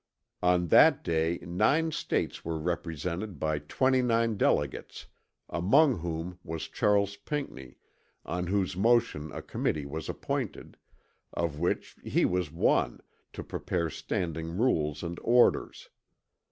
On that day nine States were represented by twenty nine delegates among whom was Charles Pinckney on whose motion a committee was appointed, of which he was one, to prepare standing rules and orders.